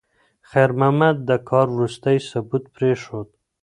خیر محمد د کار وروستی ثبوت پرېښود.